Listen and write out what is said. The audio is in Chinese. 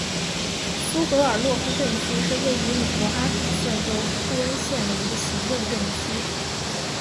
苏格尔洛夫镇区是位于美国阿肯色州布恩县的一个行政镇区。